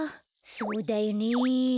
そうだよね。